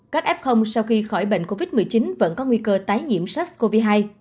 các f sau khi khỏi bệnh covid một mươi chín vẫn có nguy cơ tái nhiễm sars cov hai